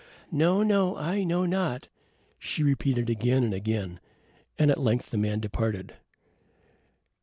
"No, no, I know not," she repeated again and again, and at length the man departed.